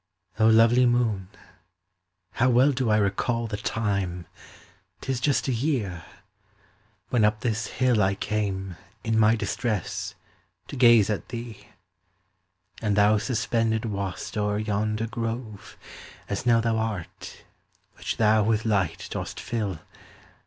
O lovely moon, how well do I recall The time,—'tis just a year—when up this hill I came, in my distress, to gaze at thee: And thou suspended wast o'er yonder grove, As now thou art, which thou with light dost fill.